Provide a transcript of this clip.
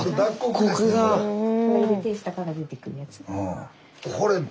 ここ入れて下から出てくるやつ。